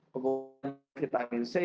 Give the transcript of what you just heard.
pengguna vitamin c